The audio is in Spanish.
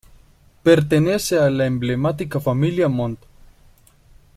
Pertenece a la emblemática familia Montt.